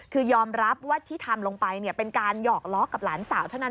คือยอมรับว่าที่ทำลงไปเป็นการหยอกล้อกับหลานสาวเท่านั้น